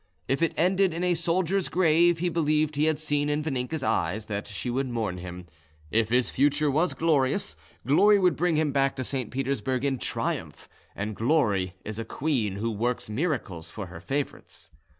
If it ended in a soldier's grave, he believed he had seen in Vaninka's eyes that she would mourn him; if his future was glorious, glory would bring him back to St. Petersburg in triumph, and glory is a queen, who works miracles for her favourites.